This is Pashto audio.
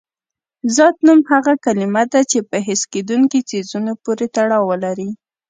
ذات نوم هغه کلمه ده چې په حس کېدونکي څیزونو پورې تړاو ولري.